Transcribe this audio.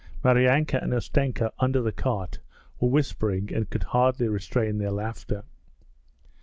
Maryanka and Ustenka under the cart were whispering and could hardly restrain their laughter.